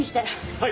はい！